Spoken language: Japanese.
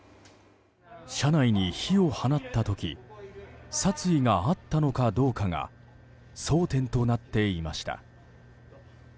車内に火を放った時殺意があったのかどうかが争点となっていました。